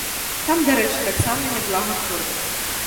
Там, дарэчы, таксама няблага кормяць.